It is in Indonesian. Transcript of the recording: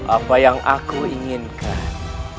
apa yang aku inginkan